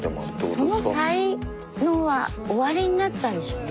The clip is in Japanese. その才能はおありになったんでしょうね。